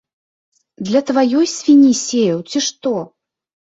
Для тваёй свінні сеяў, ці што?